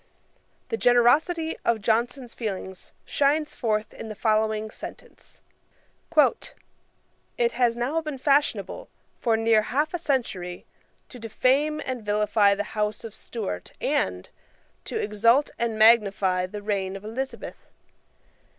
[*] The generosity of Johnson's feelings shines forth in the following sentence: "It has now been fashionable, for near half a century, to defame and vilify the house of Stuart and, to exalt and magnify the reign of Elizabeth.